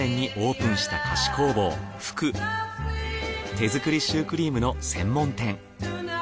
手作りシュークリームの専門店。